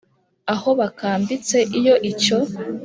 aho bakambitse Iyo icyo